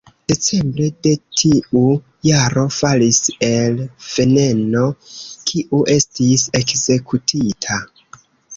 Decembre de tiu jaro falis "el Veneno", kiu estis ekzekutita.